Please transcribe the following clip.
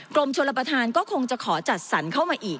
กรมชลประธานก็คงจะขอจัดสรรเข้ามาอีก